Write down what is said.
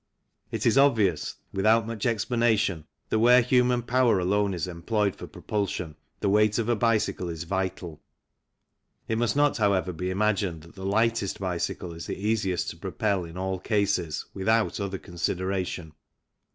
It is obvious, without much explanation, that where human power alone is employed for propulsion the weight of a bicycle is vital. It must not, however, be imagined that the lightest bicycle is the easiest to propel in all cases without other consideration.